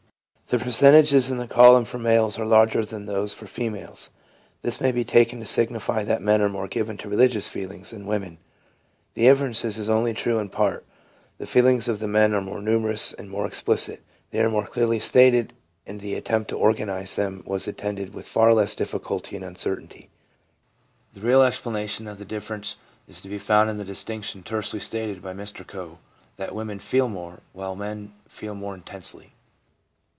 The percentages in the column for males are larger than those for females. This may be taken to signify that men are more given to religious feelings than women. The inference is only true in part The feelings of the men are more numerous and more ex plicit ; they are more clearly stated and the attempt to organise them was attended with far less difficulty and uncertainty. The real explanation of the differ ence is to be found in the distinction tersely stated by Mr Coe that ' women feel more, while men feel more intensely.'